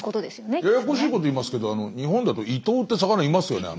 ややこしいこと言いますけど日本だとイトウって魚いますよね。